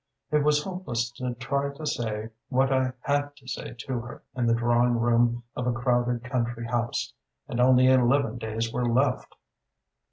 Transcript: It was hopeless to try to say what I had to say to her in the drawing room of a crowded country house. And only eleven days were left!